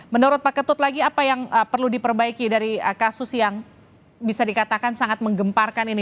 menurut pak ketut lagi apa yang perlu diperbaiki dari kasus yang bisa dikatakan sangat menggemparkan ini